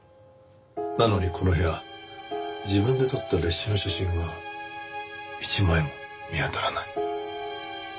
なのにこの部屋自分で撮った列車の写真は一枚も見当たらない。